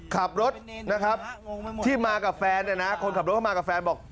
ขับรถนะครับที่มากับแฟนเนี่ยนะคนขับรถเข้ามากับแฟนบอก